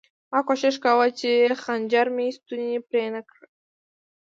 ما کوښښ کاوه چې خنجر مې ستونی پرې نه کړي